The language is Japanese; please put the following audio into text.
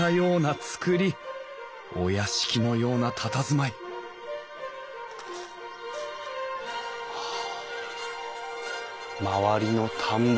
お屋敷のようなたたずまいはあ周りの田んぼに立派な建物。